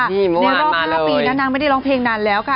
ในรอบ๕ปีนะนางไม่ได้ร้องเพลงนานแล้วค่ะ